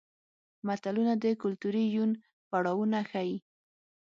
متلونه د کولتوري یون پړاوونه ښيي